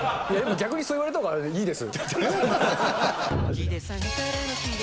逆にそう言われたほうがいいです。